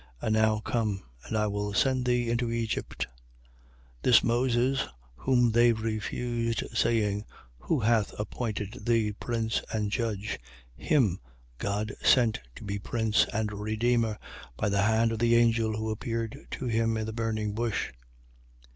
And now come: and I will send thee into Egypt. 7:35. This Moses, whom they refused, saying: Who hath appointed thee prince and judge? Him God sent to be prince and redeemer, by the hand of the angel who appeared to him in the burning bush.